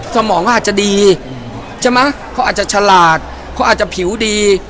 สมองเขาอาจจะดีใช่ไหมเขาอาจจะฉลาดเขาอาจจะผิวดี